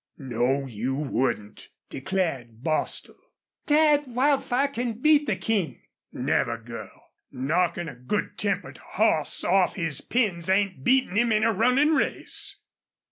"No, you wouldn't," declared Bostil. "Dad, Wildfire can beat the King!" "Never, girl! Knockin' a good tempered hoss off his pins ain't beatin' him in a runnin' race."